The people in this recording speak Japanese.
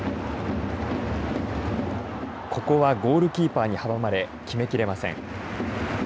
ここはゴールキーパーに阻まれ決めきれません。